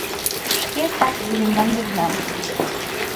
Шке так лӱдынам-лӱдынам.